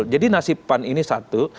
jadi nasib pan ini satu